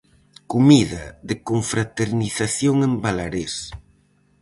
Comida de confraternización en Balarés.